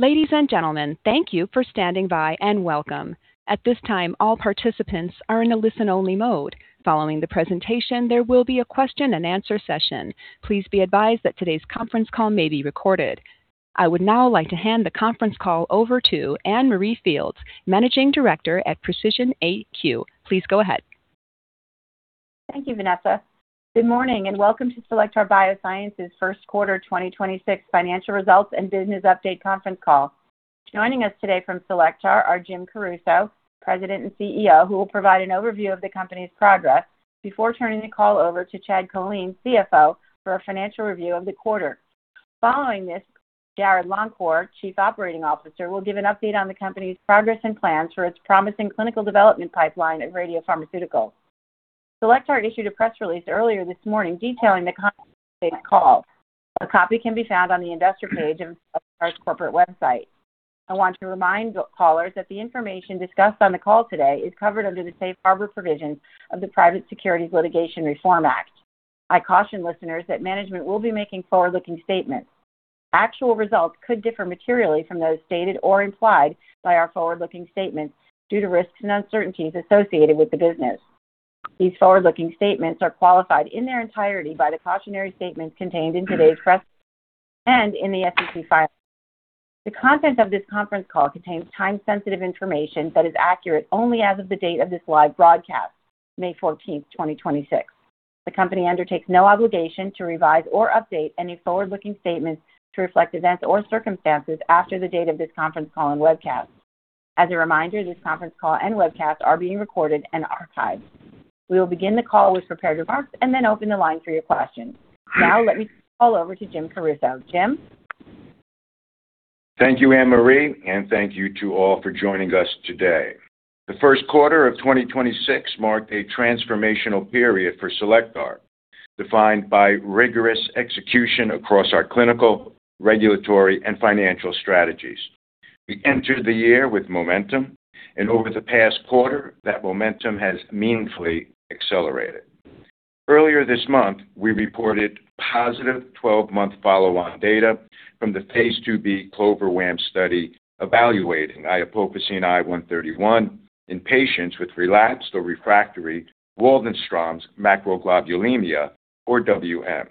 Ladies and gentlemen, thank you for standing by and welcome. At this time, all participants are in a listen-only mode. Following the presentation, there will be a question and answer session. Please be advised that today's conference call may be recorded. I would now like to hand the conference call over to Anne Marie Fields, Managing Director at Precision AQ. Please go ahead. Thank you, Vanessa. Good morning, welcome to Cellectar Biosciences first quarter 2026 financial results and business update conference call. Joining us today from Cellectar are James Caruso, President and CEO, who will provide an overview of the company's progress before turning the call over to Chad Kolean, CFO, for a financial review of the quarter. Following this, Jarrod Longcor, Chief Operating Officer, will give an update on the company's progress and plans for its promising clinical development pipeline of radiopharmaceuticals. Cellectar issued a press release earlier this morning detailing the content of today's call. A copy can be found on the investor page of Cellectar's corporate website. I want to remind callers that the information discussed on the call today is covered under the safe harbor provisions of the Private Securities Litigation Reform Act of 1995. I caution listeners that management will be making forward-looking statements. Actual results could differ materially from those stated or implied by our forward-looking statements due to risks and uncertainties associated with the business. These forward-looking statements are qualified in their entirety by the cautionary statements contained in today's press release and in the SEC filings. The content of this conference call contains time-sensitive information that is accurate only as of the date of this live broadcast, May 14, 2026. The company undertakes no obligation to revise or update any forward-looking statements to reflect events or circumstances after the date of this conference call and webcast. As a reminder, this conference call and webcast are being recorded and archived. We will begin the call with prepared remarks and then open the line for your questions. Now let me turn the call over to James Caruso. James. Thank you, Anne Marie, and thank you to all for joining us today. The first quarter of 2026 marked a transformational period for Cellectar, defined by rigorous execution across our clinical, regulatory, and financial strategies. We entered the year with momentum. Over the past quarter, that momentum has meaningfully accelerated. Earlier this month, we reported positive 12-month follow-on data from the phase II-B CLOVER-WaM study evaluating iopofosine I-131 in patients with relapsed or refractory Waldenström's macroglobulinemia or WM.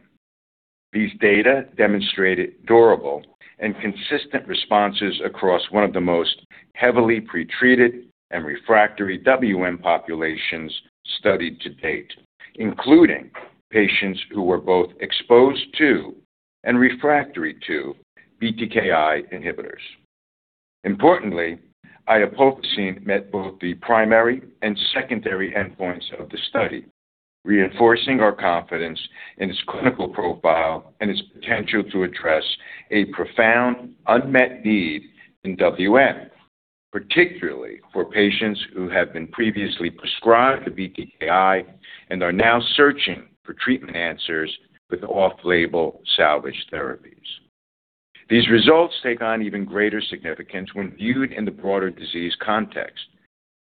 These data demonstrated durable and consistent responses across one of the most heavily pretreated and refractory WM populations studied to date, including patients who were both exposed to and refractory to BTKI inhibitors. Importantly, iopofosine met both the primary and secondary endpoints of the study, reinforcing our confidence in its clinical profile and its potential to address a profound unmet need in WM, particularly for patients who have been previously prescribed a BTKI and are now searching for treatment answers with off-label salvage therapies. These results take on even greater significance when viewed in the broader disease context.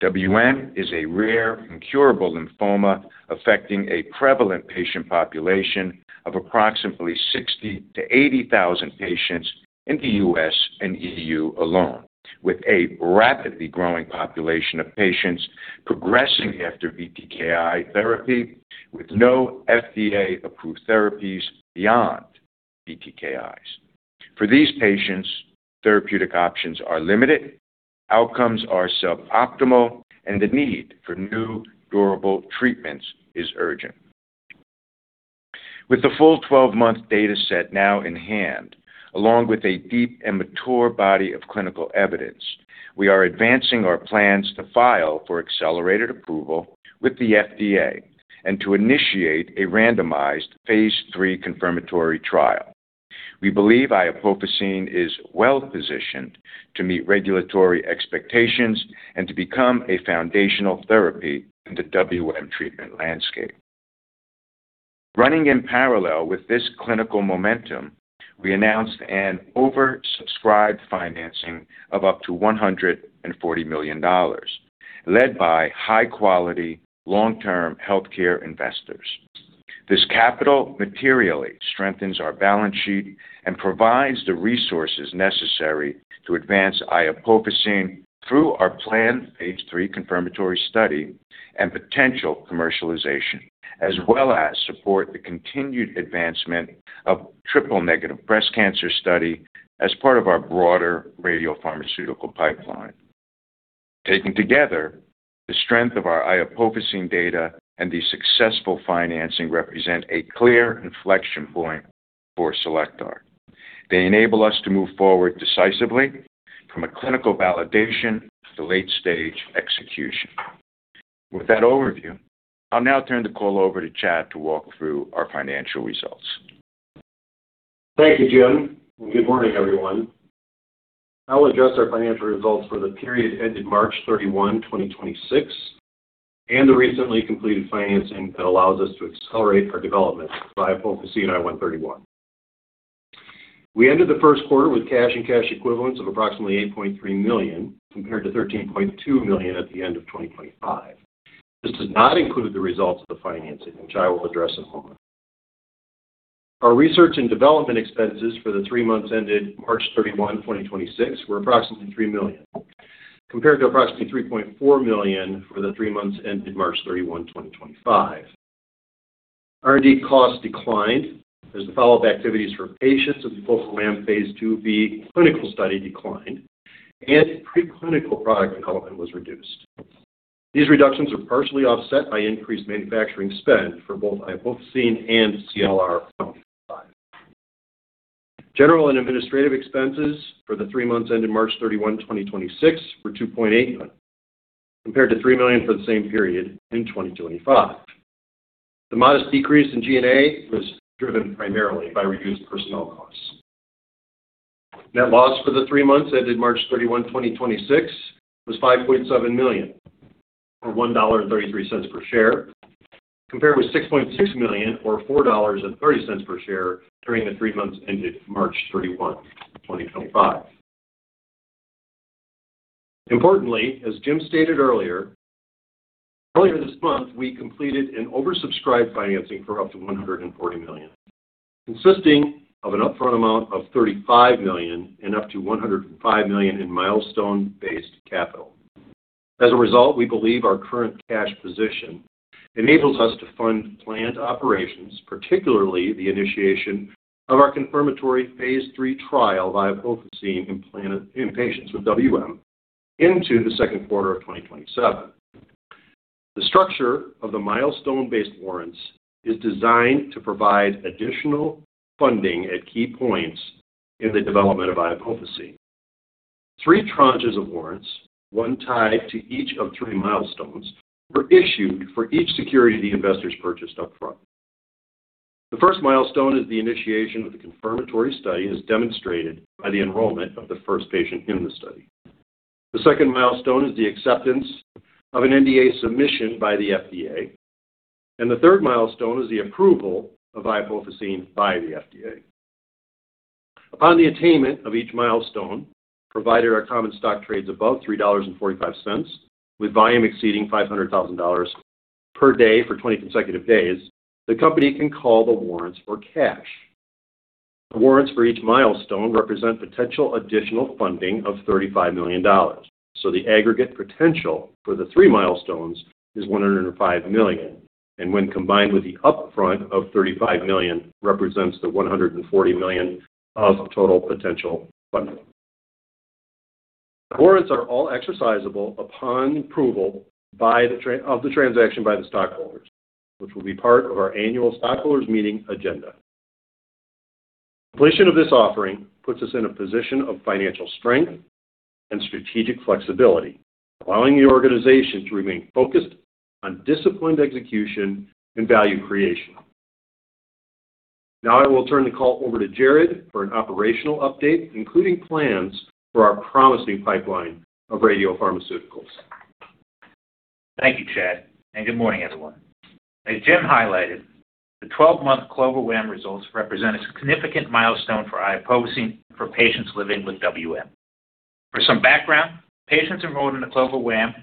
WM is a rare incurable lymphoma affecting a prevalent patient population of approximately 60,000-80,000 patients in the U.S. and EU alone, with a rapidly growing population of patients progressing after BTKI therapy with no FDA-approved therapies beyond BTKIs. For these patients, therapeutic options are limited, outcomes are suboptimal, and the need for new durable treatments is urgent. With the full 12-month data set now in hand, along with a deep and mature body of clinical evidence, we are advancing our plans to file for accelerated approval with the FDA and to initiate a randomized phase III confirmatory trial. We believe iopofosine is well-positioned to meet regulatory expectations and to become a foundational therapy in the WM treatment landscape. Running in parallel with this clinical momentum, we announced an oversubscribed financing of up to $140 million led by high-quality long-term healthcare investors. This capital materially strengthens our balance sheet and provides the resources necessary to advance iopofosine through our planned phase III confirmatory study and potential commercialization, as well as support the continued advancement of Triple Negative Breast Cancer study as part of our broader radiopharmaceutical pipeline. Taken together, the strength of our iopofosine data and the successful financing represent a clear inflection point for Cellectar. They enable us to move forward decisively from a clinical validation to late-stage execution. With that overview, I'll now turn the call over to Chad to walk through our financial results. Thank you, James, and good morning, everyone. I'll address our financial results for the period ended March 31, 2026, and the recently completed financing that allows us to accelerate our development of iopofosine I-131. We ended the first quarter with cash and cash equivalents of approximately $8.3 million, compared to $13.2 million at the end of 2025. This does not include the results of the financing, which I will address in a moment. Our R&D expenses for the three months ended March 31, 2026, were approximately $3 million, compared to approximately $3.4 million for the three months ended March 31, 2025. R&D costs declined as the follow-up activities for patients of the CLOVER-WaM phase II-B clinical study declined and preclinical product development was reduced. These reductions are partially offset by increased manufacturing spend for both iopofosine and CLR 125. General and administrative expenses for the three months ending March 31, 2026 were $2.8 million, compared to $3 million for the same period in 2025. The modest decrease in G&A was driven primarily by reduced personnel costs. Net loss for the three months ended March 31, 2026 was $5.7 million, or $1.33 per share, compared with $6.6 million or $4.30 per share during the three months ended March 31, 2025. Importantly, as James stated earlier this month, we completed an oversubscribed financing for up to $140 million, consisting of an upfront amount of $35 million and up to $105 million in milestone-based capital. As a result, we believe our current cash position enables us to fund plant operations, particularly the initiation of our confirmatory phase III trial by iopofosine in patients with WM into the second quarter of 2027. The structure of the milestone-based warrants is designed to provide additional funding at key points in the development of iopofosine. Three tranches of warrants, one tied to each of three milestones, were issued for each security the investors purchased upfront. The first milestone is the initiation of the confirmatory study, as demonstrated by the enrollment of the first patient in the study. The second milestone is the acceptance of an NDA submission by the FDA, and the third milestone is the approval of iopofosine by the FDA. Upon the attainment of each milestone, provided our common stock trades above $3.45 with volume exceeding $500,000 per-day for 20 consecutive days, the company can call the warrants for cash. The warrants for each milestone represent potential additional funding of $35 million. The aggregate potential for the three milestones is $105 million, and when combined with the upfront of $35 million, represents the $140 million of total potential funding. The warrants are all exercisable upon approval of the transaction by the stockholders, which will be part of our annual stockholders' meeting agenda. Completion of this offering puts us in a position of financial strength and strategic flexibility, allowing the organization to remain focused on disciplined execution and value creation. Now I will turn the call over to Jarrod for an operational update, including plans for our promising pipeline of radiopharmaceuticals. Thank you, Chad. Good morning, everyone. As James highlighted, the 12-month CLOVER-WaM results represent a significant milestone for iopofosine for patients living with WM. For some background, patients enrolled in the CLOVER-WaM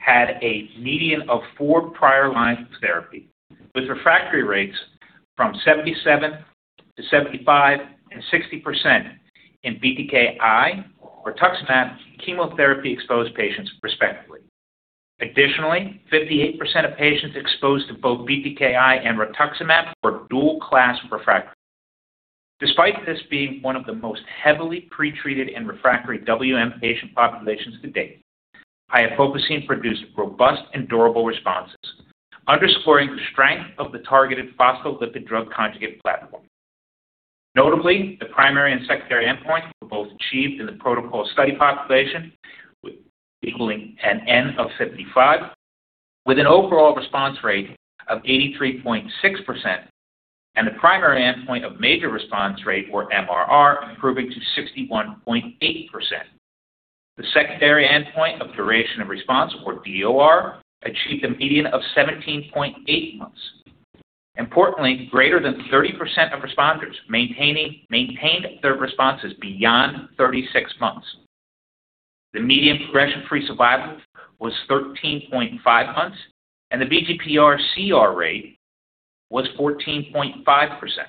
had a median of 4 prior-line therapy, with refractory rates from 77%-75% and 60% in BTKI rituximab chemotherapy-exposed patients respectively. Additionally, 58% of patients exposed to both BTKI and rituximab were dual-class refractory. Despite this being one of the most heavily pretreated and refractory WM patient populations to date, iopofosine produced robust and durable responses, underscoring the strength of the targeted phospholipid drug conjugate platform. Notably, the primary and secondary endpoints were both achieved in the protocol study population, equaling an N of 55, with an overall response rate of 83.6% and the primary endpoint of major response rate, or MRR, improving to 61.8%. The secondary endpoint of duration of response, or DOR, achieved a median of 17.8 months. Importantly, greater than 30% of responders maintained their responses beyond 36 months. The median progression-free survival was 13.5 months, and the VGPR/CR rate was 14.5%.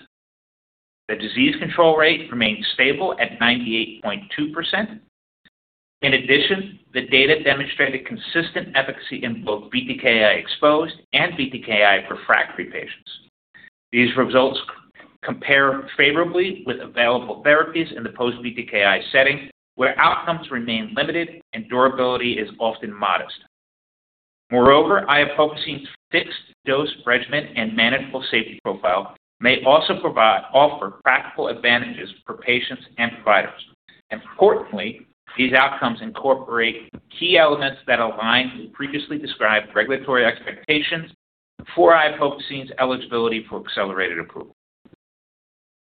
The disease control rate remained stable at 98.2%. In addition, the data demonstrated consistent efficacy in both BTKI-exposed and BTKI-refractory patients. These results compare favorably with available therapies in the post-BTKI setting, where outcomes remain limited and durability is often modest. Moreover, iopofosine's fixed-dose regimen and manageable safety profile may also offer practical advantages for patients and providers. Importantly, these outcomes incorporate key elements that align with previously described regulatory expectations for iopofosine's eligibility for accelerated approval.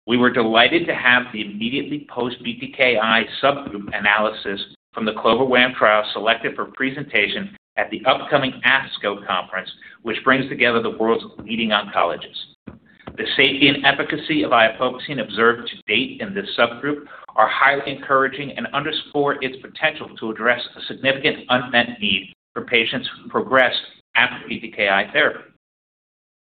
We were delighted to have the immediately post-BTKI subgroup analysis from the CLOVER-WaM trial selected for presentation at the upcoming ASCO conference, which brings together the world's leading oncologists. The safety and efficacy of iopofosine observed to date in this subgroup are highly encouraging and underscore its potential to address a significant unmet need for patients who progress after BTKI therapy.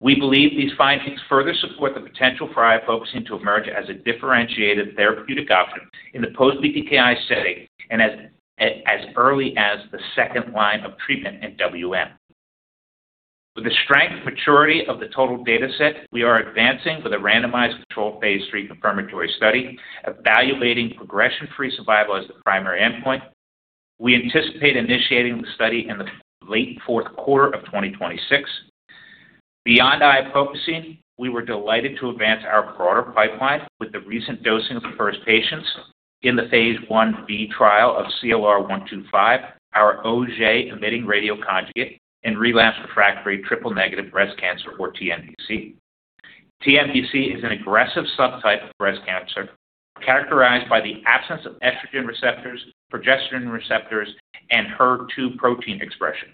We believe these findings further support the potential for iopofosine to emerge as a differentiated therapeutic option in the post-BTKI setting and as early as the second line of treatment in WM. With the strength and maturity of the total data set, we are advancing with a randomized control phase III confirmatory study evaluating progression-free survival as the primary endpoint. We anticipate initiating the study in the late fourth quarter of 2026. Beyond iopofosine, we were delighted to advance our broader pipeline with the recent dosing of the first patients in the phase I-B trial of CLR 125, our Auger-emitting radioconjugate in relapse refractory triple negative breast cancer or TNBC. TNBC is an aggressive subtype of breast cancer characterized by the absence of estrogen receptors, progesterone receptors, and HER2 protein expression.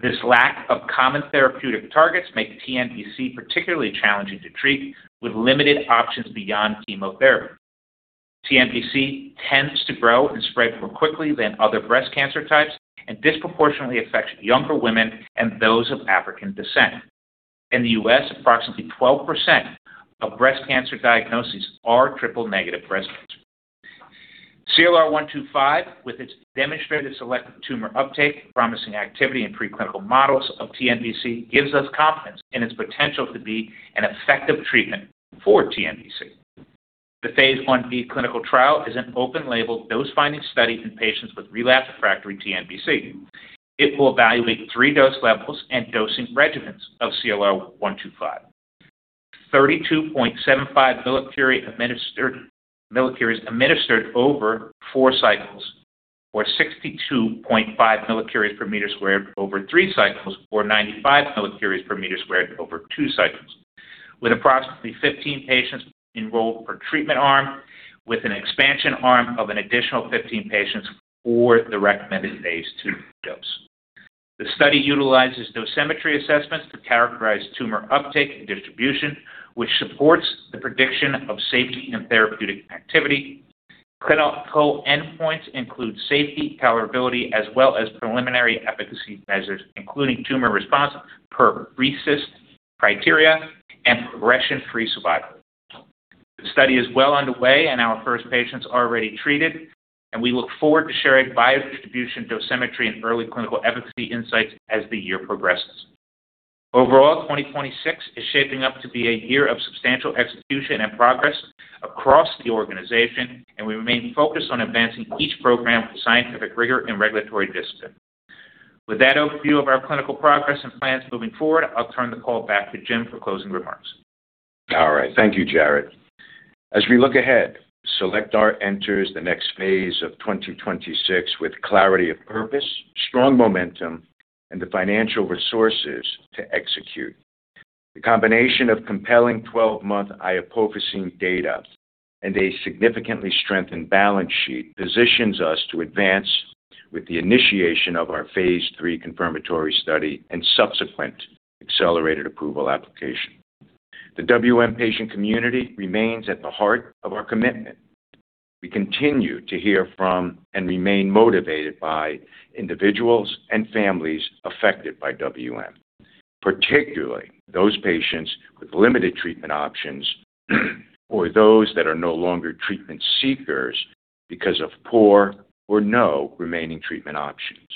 This lack of common therapeutic targets make TNBC particularly challenging to treat with limited options beyond chemotherapy. TNBC tends to grow and spread more quickly than other breast cancer types and disproportionately affects younger women and those of African descent. In the U.S., approximately 12% of breast cancer diagnoses are triple negative breast cancer. CLR 125, with its demonstrated selective tumor uptake, promising activity in preclinical models of TNBC, gives us confidence in its potential to be an effective treatment for TNBC. The phase I-B clinical trial is an open label dose-finding study in patients with relapsed refractory TNBC. It will evaluate 3 dose levels and dosing regimens of CLR 125. 32.75 millicuries administered over 4 cycles or 62.5 millicuries per meter squared over 3 cycles or 95 millicuries per meter squared over 2 cycles, with approximately 15 patients enrolled per treatment arm with an expansion arm of an additional 15 patients for the recommended phase II dose. The study utilizes dosimetry assessments to characterize tumor uptake and distribution, which supports the prediction of safety and therapeutic activity. Clinical endpoints include safety, tolerability, as well as preliminary efficacy measures, including tumor response per RECIST criteria and progression-free survival. The study is well underway, and our first patients are already treated, and we look forward to sharing biodistribution, dosimetry, and early clinical efficacy insights as the year progresses. Overall, 2026 is shaping up to be a year of substantial execution and progress across the organization, and we remain focused on advancing each program with scientific rigor and regulatory discipline. With that overview of our clinical progress and plans moving forward, I'll turn the call back to James for closing remarks. All right. Thank you, Jarrod. As we look ahead, Cellectar enters the next phase of 2026 with clarity of purpose, strong momentum, and the financial resources to execute. The combination of compelling 12-month iopofosine data and a significantly strengthened balance sheet positions us to advance with the initiation of our phase III confirmatory study and subsequent accelerated approval application. The WM patient community remains at the heart of our commitment. We continue to hear from and remain motivated by individuals and families affected by WM, particularly those patients with limited treatment options or those that are no longer treatment seekers because of poor or no remaining treatment options.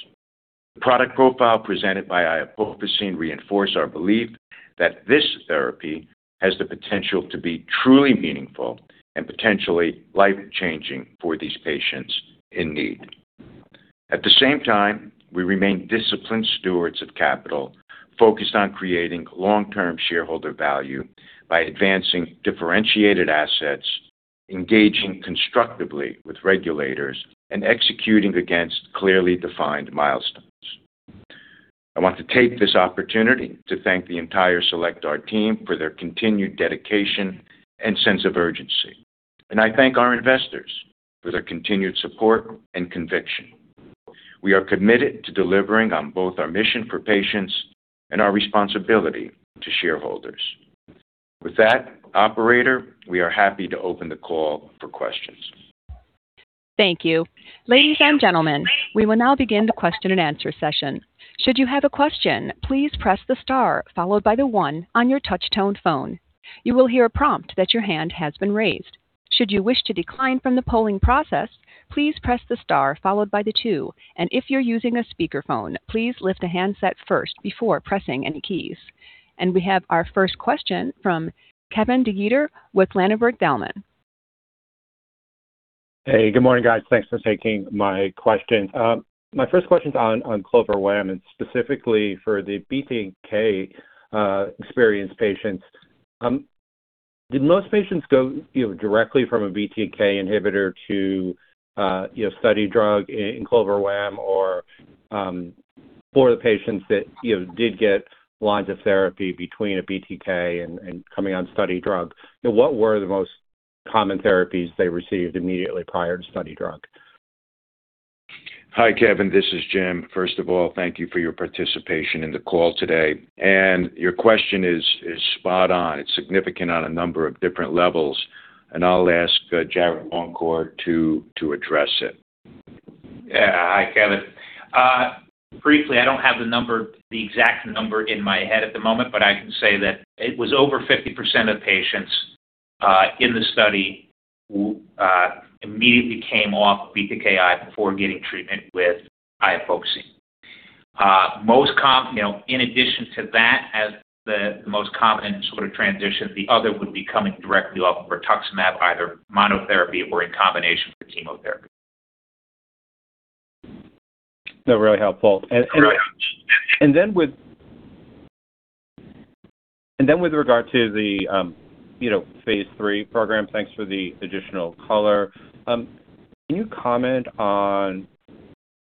The product profile presented by iopofosine reinforce our belief that this therapy has the potential to be truly meaningful and potentially life-changing for these patients in need. At the same time, we remain disciplined stewards of capital, focused on creating long-term shareholder value by advancing differentiated assets, engaging constructively with regulators, and executing against clearly defined milestones. I want to take this opportunity to thank the entire Cellectar team for their continued dedication and sense of urgency. I thank our investors for their continued support and conviction. We are committed to delivering on both our mission for patients and our responsibility to shareholders. With that, operator, we are happy to open the call for questions. Thank you. Ladies and gentlemen, we will now begin the question and answer session. Should you have a question, please press the star followed by the one on your touch-tone phone. You will hear a prompt that your hand has been raised. Should you wish to decline from the polling process, please press the star followed by the two. If you're using a speakerphone, please lift the handset first before pressing any keys. We have our first question from Kevin DeGeeter with Ladenburg Thalmann. Hey, good morning, guys. Thanks for taking my question. My first question is on CLOVER-WaM and specifically for the BTK experienced patients. Did most patients go, you know, directly from a BTK inhibitor to, you know, study drug in CLOVER-WaM or, for the patients that, you know, did get lines of therapy between a BTK and coming on study drug, you know, what were the most common therapies they received immediately prior to study drug? Hi, Kevin. This is James. First of all, thank you for your participation in the call today. Your question is spot on. It's significant on a number of different levels, and I'll ask Jarrod Longcor to address it. Yeah. Hi, Kevin. briefly, I don't have the number, the exact number in my head at the moment, but I can say that it was over 50% of patients, in the study who immediately came off BTKI before getting treatment with iopofosine. you know, in addition to that, as the most common sort of transition, the other would be coming directly off rituximab, either monotherapy or in combination with chemotherapy. No, really helpful. Right. Then with regard to the, you know, phase III program, thanks for the additional color. Can you comment on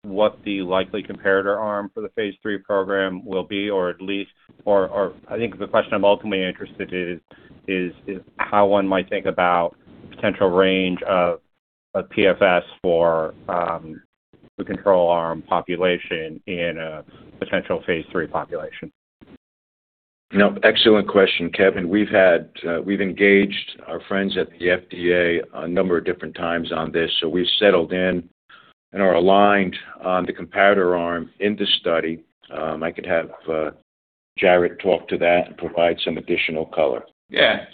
what the likely comparator arm for the phase III program will be, or I think the question I'm ultimately interested is how one might think about potential range of PFS for the control arm population in a potential phase III population? You know, excellent question, Kevin. We've had, we've engaged our friends at the FDA a number of different times on this. We've settled in and are aligned on the comparator arm in the study. I could have Jarrod talk to that and provide some additional color. Yeah.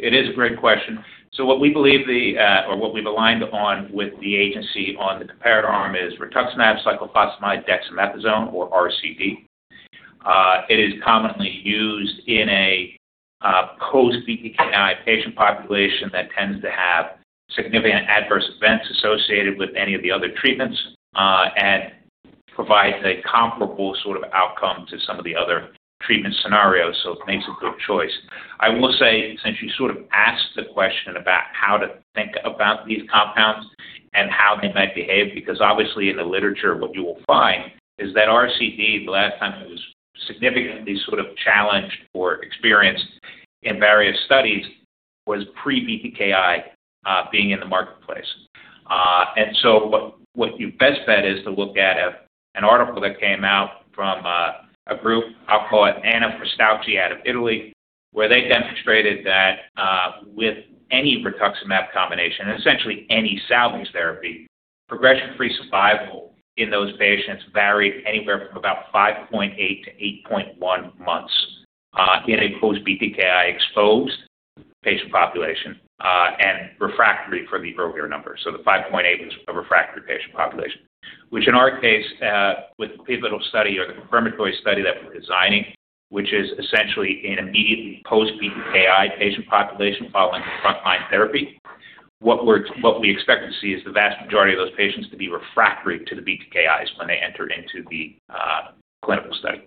It is a great question. What we believe the, or what we've aligned on with the agency on the comparator arm is rituximab, cyclophosphamide, dexamethasone or RCD. It is commonly used in a post-BTKI patient population that tends to have significant adverse events associated with any of the other treatments, and provides a comparable sort of outcome to some of the other treatment scenarios. It makes a good choice. I will say, since you sort of asked the question about how to think about these compounds and how they might behave, because obviously in the literature, what you will find is that RCD, the last time it was significantly sort of challenged or experienced in various studies, was pre-BTKI, being in the marketplace. What you best bet is to look at an article that came out from a group, I'll call it Anna Bustocchi out of Italy, where they demonstrated that with any rituximab combination, essentially any salvage therapy, progression-free survival in those patients varied anywhere from about 5.8-8.1 months in a post-BTKI exposed patient population and refractory for the earlier number. The 5.8 was a refractory patient population. Which in our case, with the pivotal study or the confirmatory study that we're designing, which is essentially an immediately post-BTKI patient population following frontline therapy, what we expect to see is the vast majority of those patients to be refractory to the BTKIs when they enter into the clinical study.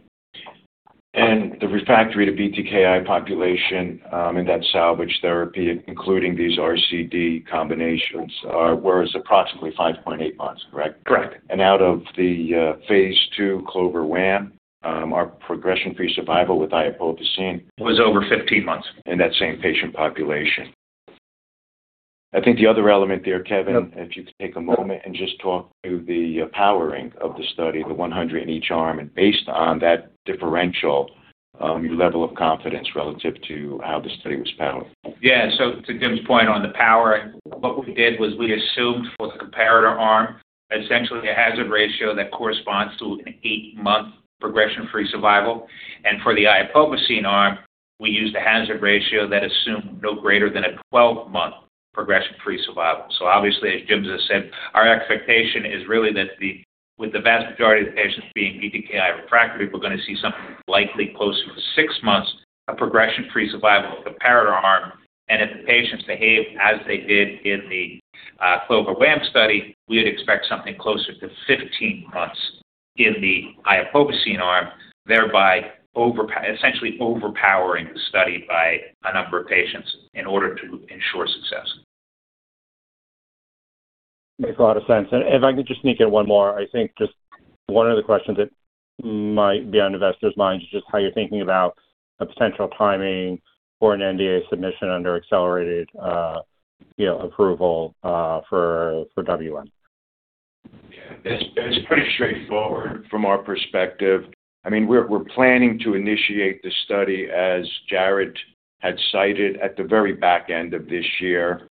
The refractory to BTKI population, in that salvage therapy, including these RCD combinations, were approximately 5.8 months, correct? Correct. Out of the phase II CLOVER-WaM, our progression-free survival with iopofosine- Was over 15 months. In that same patient population? I think the other element there, Kevin. Yep. If you could take a moment and just talk to the powering of the study, the 100 in each arm, and based on that differential, your level of confidence relative to how the study was powered. Yeah. To James point on the power, what we did was we assumed for the comparator arm, essentially a hazard ratio that corresponds to an 8-month progression-free survival. For the iopofosine arm, we used a hazard ratio that assumed no greater than a 12-month progression-free survival. Obviously, as James just said, our expectation is really that the, with the vast majority of the patients being BTKI refractory, we're gonna see something likely closer to 6 months of progression-free survival with the comparator arm. If the patients behave as they did in the CLOVER-WaM study, we would expect something closer to 15 months in the iopofosine arm, thereby essentially overpowering the study by a number of patients in order to ensure success. Makes a lot of sense. If I could just sneak in one more, I think just one of the questions that might be on investors' minds is just how you're thinking about a potential timing for an NDA submission under accelerated, you know, approval, for WM. It's pretty straightforward from our perspective. I mean, we're planning to initiate the study, as Jarrod had cited, at the very back end of this year.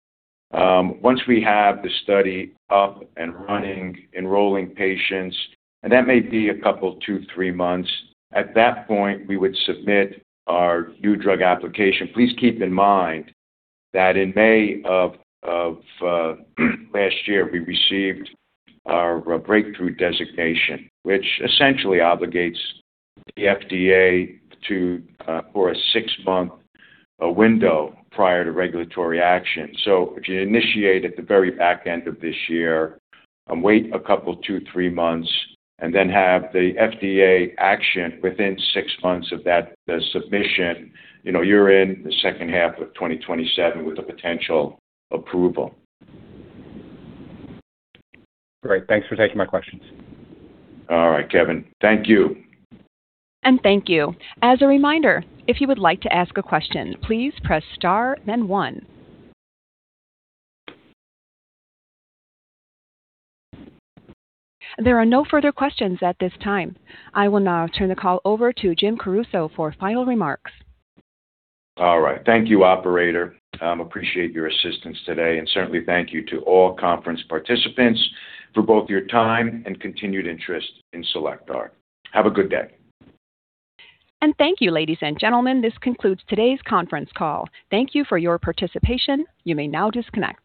Once we have the study up and running, enrolling patients, and that may be a couple, 2, 3 months, at that point, we would submit our new drug application. Please keep in mind that in May of last year, we received our breakthrough designation, which essentially obligates the FDA to for a 6-month window prior to regulatory action. If you initiate at the very back end of this year and wait a couple, 2, 3 months and then have the FDA action within 6 months of that, the submission, you know you're in the second half of 2027 with a potential approval. Great. Thanks for taking my questions. All right, Kevin. Thank you. Thank you. As a reminder, if you would like to ask a question, please press star then one. There are no further questions at this time. I will now turn the call over to James Caruso for final remarks. All right. Thank you, operator. Appreciate your assistance today, and certainly thank you to all conference participants for both your time and continued interest in Cellectar. Have a good day. Thank you, ladies and gentlemen. This concludes today's conference call. Thank you for your participation. You may now disconnect.